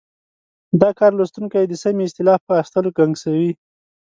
دا کار لوستونکی د سمې اصطلاح په اخیستلو کې ګنګسوي.